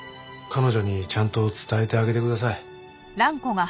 彼女にちゃんと伝えてあげてください。